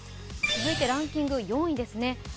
続いてランキング４位ですね。